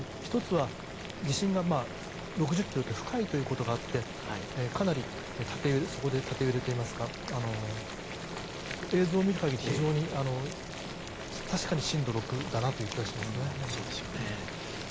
１つは、地震が６０ｋｍって深いということがあってかなりそこで縦揺れといいますか映像を見る限り確かに震度６だなという気がしますね。